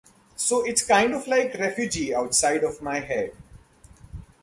So, it's kind of like the refuge outside of my head.